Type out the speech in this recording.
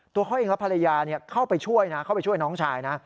ตัวห้อยและภรรยาเข้าไปช่วยน้องชาย